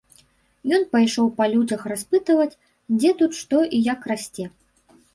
Ён пайшоў па людзях распытваць, дзе тут што і як расце.